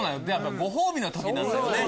ご褒美の時なんだよね。